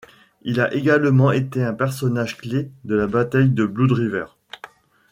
Il a également été un personnage clé de la bataille de Blood River.